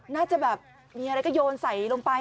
น่าจะแบบมีอะไรก็โยนใส่ลงไป